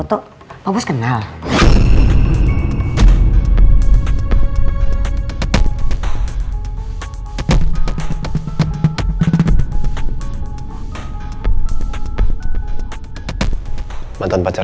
tanya pak bos siapa katanya